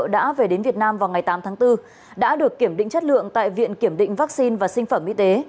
đã về đến việt nam vào ngày tám tháng bốn đã được kiểm định chất lượng tại viện kiểm định vaccine và sinh phẩm y tế